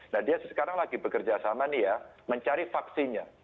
nah dia sekarang lagi bekerja sama nih ya mencari vaksinnya